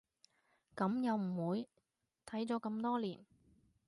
噉又唔會，睇咗咁多年